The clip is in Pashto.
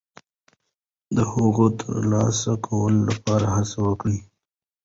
د هغوی د ترلاسه کولو لپاره هڅه وکړو.